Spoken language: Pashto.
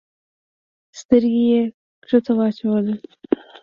سترګي یې کښته واچولې !